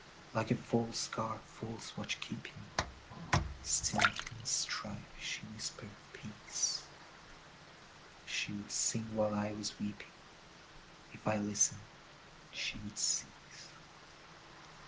Like a false guard, false watch keeping, Still, in strife, she whispered peace; She would sing while I was weeping; If I listened, she would cease.